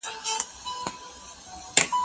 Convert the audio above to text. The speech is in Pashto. د ژوند پرمختګ یوازي لایقو ته نه سي سپارل کېدلای.